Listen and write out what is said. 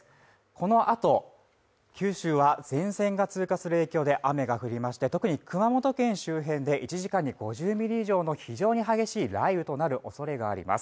この後、九州は前線が通過する影響で雨が降りまして特に熊本県周辺で１時間に５０ミリ以上の非常に激しい雷雨となるおそれがあります。